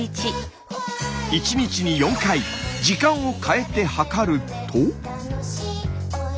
１日に４回時間を変えて測ると。